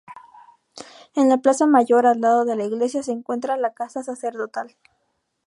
En la Plaza Mayor, al lado de la iglesia, se encuentra la casa sacerdotal.